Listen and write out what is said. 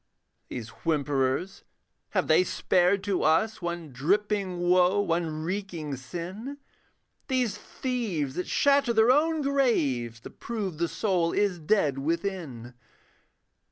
These whimperers have they spared to us One dripping woe, one reeking sin? These thieves that shatter their own graves To prove the soul is dead within.